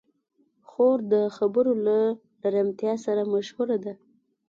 خور د خبرو له نرمتیا سره مشهوره ده.